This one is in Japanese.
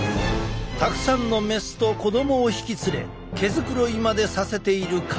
たくさんのメスと子供を引き連れ毛繕いまでさせている彼。